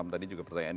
tadi juga pertanyaan